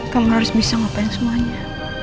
kamu harus bisa ngapain semuanya